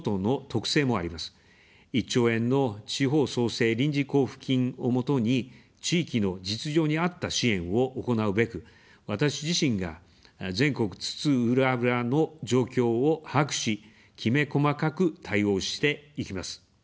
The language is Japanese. １兆円の地方創生臨時交付金を基に、地域の実情に合った支援を行うべく、私自身が全国津々浦々の状況を把握し、きめ細かく対応していきます。